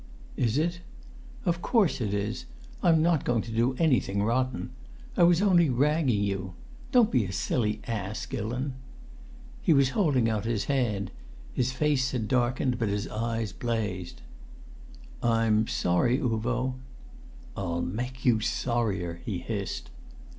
"Is it?" "Of course it is. I'm not going to do anything rotten. I was only ragging you. Don't be a silly ass, Gillon!" He was holding out his hand. His face had darkened, but his eyes blazed. "I'm sorry, Uvo " "I'll make you sorrier!" he hissed.